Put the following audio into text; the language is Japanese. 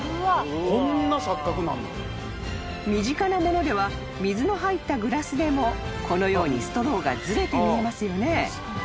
［身近な物では水の入ったグラスでもこのようにストローがずれて見えますよね］